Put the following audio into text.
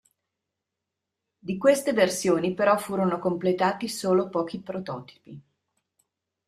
Di queste versioni però furono completati solo pochi prototipi.